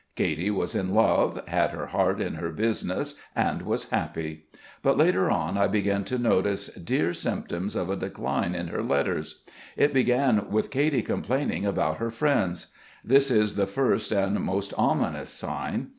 Katy was in love, had her heart in her business and was happy. But later on I began to notice dear symptoms of a decline in her letters. It began with Katy complaining about her friends. This is the first and most ominous sign.